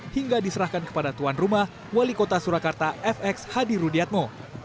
hingga diserahkan kepada tuan rumah wali kota surakarta fx hadi rudiatmo